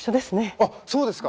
あっそうですか。